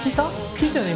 聞いたよね？